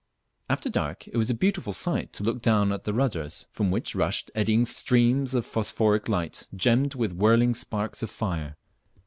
After dark it was a beautiful sight to look down on our rudders, from which rushed eddying streams of phosphoric light gemmed with whirling sparks of fire.